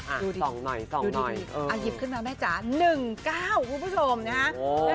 อ่าสองหน่อยสองหน่อยดูดิดูดิเอาหยิบขึ้นมาแม่จ๋าหนึ่งเก้าผู้ผู้ชมนะฮะโอ้